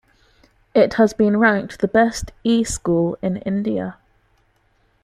It has been ranked the best E-school in India.